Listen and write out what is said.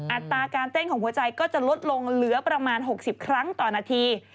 อัตราการเต้นของหัวใจก็จะลดลงเหลือประมาณ๖๐ครั้งต่อนาที